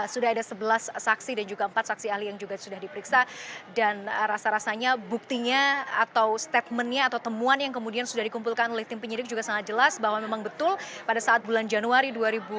sudah ada sebelas saksi dan juga empat saksi ahli yang juga sudah diperiksa dan rasa rasanya buktinya atau statementnya atau temuan yang kemudian sudah dikumpulkan oleh tim penyidik juga sangat jelas bahwa memang betul pada saat bulan januari dua ribu dua puluh